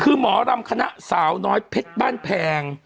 คือหมอรำคณะสาวน้อยเพชรบ้านแพง